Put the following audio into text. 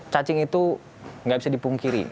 cacing itu nggak bisa dipungkiri